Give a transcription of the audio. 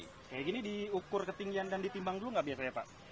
kayak gini diukur ketinggian dan ditimbang dulu gak biasanya pak